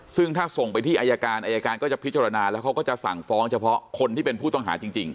ซึ่งถ้าส่งไปที่อายการอายการก็จะพิจารณาแล้วเขาก็จะสั่งฟ้องเฉพาะคนที่เป็นผู้ต้องหาจริง